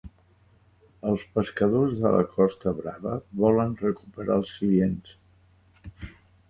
Els pescadors de la Costa brava volen recuperar els clients.